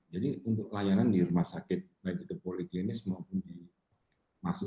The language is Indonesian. jadi untuk layanan di rumah sakit baik itu poliklinis maupun